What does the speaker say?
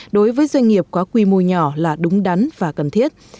đối với doanh nghiệp có quy mô nhỏ là đúng đắn và cần thiết